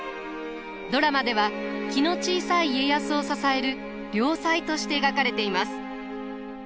ドラマでは気の小さい家康を支える良妻として描かれています。